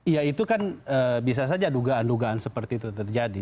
ya itu kan bisa saja dugaan dugaan seperti itu terjadi